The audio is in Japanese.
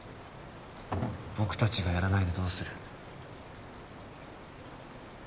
僕達がやらないでどうする？